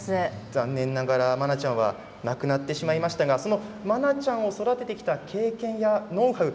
残念ながらマナちゃんは亡くなってしまいましたがそのマナちゃんを育ててきた経験やノウハウ